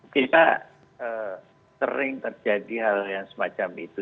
kita sering terjadi hal yang semacam itu